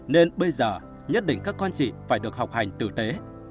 nên bây giờ nhất định các con chị phải được học hành tử tế